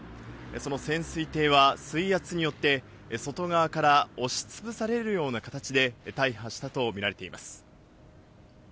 その潜水艇は水圧によって、外側から押しつぶされるような形で大破したと見られています。